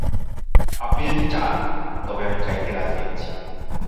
আপনি যদি যান, তবে আমি যাইতে রাজি আছি।